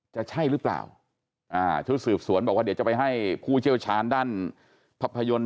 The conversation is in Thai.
จะใช่หรือเปล่าอ่าชุดสืบสวนบอกว่าเดี๋ยวจะไปให้ผู้เชี่ยวชาญด้านภาพยนตร์